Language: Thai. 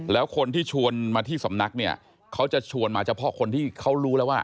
แล้วคนที่ชวนมาที่สำนักเนี่ยเขาจะชวนมาเฉพาะคนที่เขารู้แล้วว่า